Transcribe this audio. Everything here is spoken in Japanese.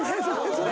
それ。